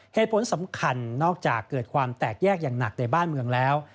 เหตุผลสำคัญนอกจากเกิดความแตกแยกอย่างหนักในบ้านเมืองแล้ว